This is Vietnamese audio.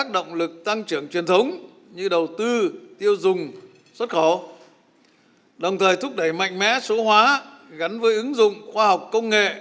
đồng thời thúc đẩy mạnh mẽ số hóa gắn với ứng dụng khoa học công nghệ